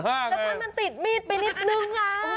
แล้วถ้ามันติดมีดไปนิดนึง